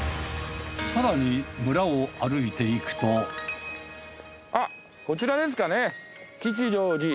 更に村を歩いていくとあっこちらですかね。